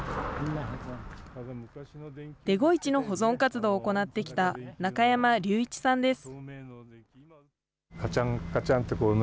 デゴイチの保存活動を行ってきた中山隆一さんです。